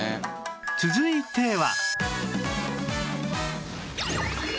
続いては